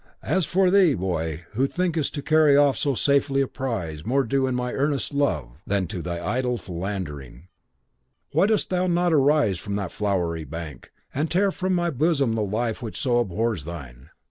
"'As for thee, boy, who thinkest to carry off so safely a prize more due to my earnest love than to thy idle philandering, why dost thou not rise from that flowery bank, and tear from my bosom the life which so abhors thine?